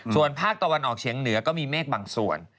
ส่วนภาคตะวันออกเฉียงเหนือก็มีเมฆบางส่วน